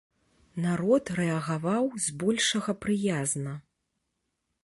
Народ рэагаваў збольшага прыязна.